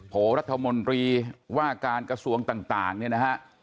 โหรัฐมนตรีว่าการกระทรวงต่างเนี่ยนะฮะ